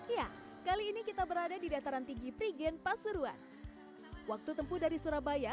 ya kali ini kita berada di dataran tinggi prigen pasuruan waktu tempuh dari surabaya